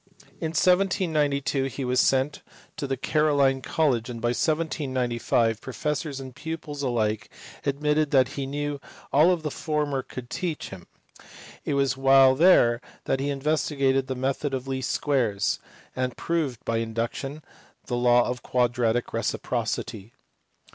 In 1792 he was sent to the Caroline College, and by 1795 professors and pupils alike admitted that he knew all that the former could teach him : it was while there that he investigated the method of least squares, and proved by induction the law of quadratic reciprocity.